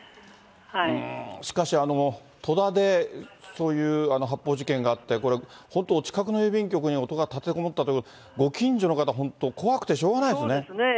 しかし、戸田でそういう発砲事件があって、これ、本当、お近くの郵便局に男が立てこもったということでご近所の方、そうですね。